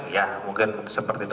ya mungkin seperti itu